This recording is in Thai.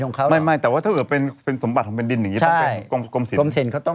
แต่ถ้าเกิดเป็นสมบัติที่เป็นดินต้องเก็บ